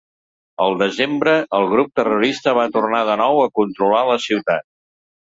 El desembre, el grup terrorista va tornar de nou a controlar la ciutat.